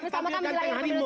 pertama kali dari teng harimau